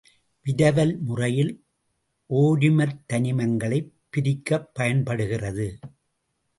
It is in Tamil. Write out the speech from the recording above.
விரவல் முறையில் ஓரிமத் தனிமங்களைப் பிரிக்கப் பயன்படுகிறது.